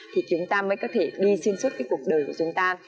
thì chúng ta mới có thể đi xuyên suốt cái cuộc đời của chúng ta